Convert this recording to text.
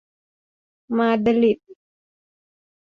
มาดริด